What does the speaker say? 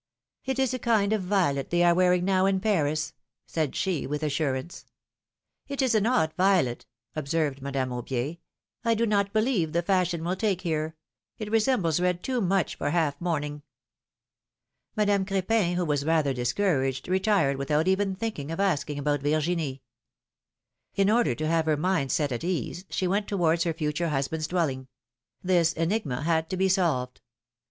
It is a kind of violet they are wearing now in Paris," said she, with assurance. It is an odd violet," observed Madame Aubier. ^^I do not believe the fashion will take here ; it resembles red too much for half mourning." Madame Cr^pin, who was rather discouraged, retired without even thinking of asking about Virginie. In order to have her mind set at ease, she went towards her future husband^s dwelling; this enigma had to be solved.